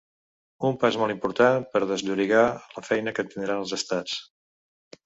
Un pas molt important per a desllorigar la feina que tindran els estats.